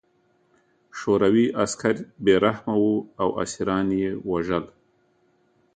شوروي عسکر بې رحمه وو او اسیران یې وژل